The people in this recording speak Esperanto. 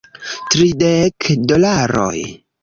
Tridek dolaroj